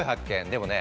でもね